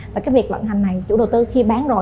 và cái việc vận hành này chủ đầu tư khi bán rồi